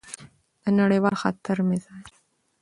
د نړیوال خطر مزاج: